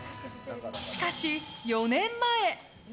しかし４年前。